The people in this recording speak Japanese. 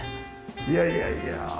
いやいやいや。